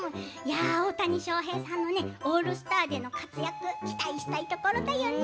大谷翔平さんのオールスターでの活躍期待したいところだよね。